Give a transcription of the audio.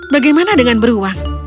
bagaimana dengan beruang